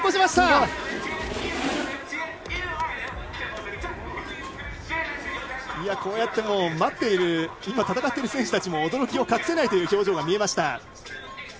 すごい！待っている今、戦っている選手たちも驚きを隠せないという表情が見えました。